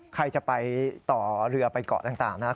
ใครจะไปต่อเรือไปเกาะต่างนะครับ